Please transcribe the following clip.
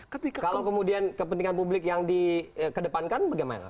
kalau kemudian kepentingan publik yang di kedepankan bagaimana